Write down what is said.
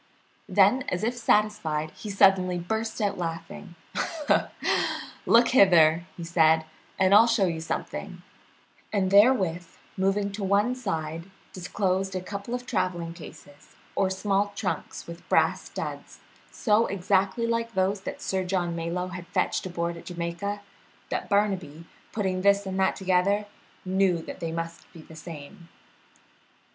Then, as if satisfied, he suddenly burst out laughing. "Look hither," said he, "and I'll show you something," and therewith, moving to one side, disclosed a couple of traveling cases or small trunks with brass studs, so exactly like those that Sir John Malyoe had fetched aboard at Jamaica that Barnaby, putting this and that together, knew that they must be the same.